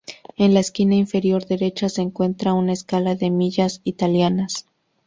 En la esquina inferior derecha se encuentra una escala en millas italianas.